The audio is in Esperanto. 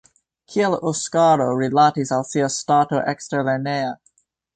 Kiel Oskaro rilatis al sia stato eksterlerneja?